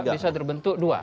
bisa terbentuk dua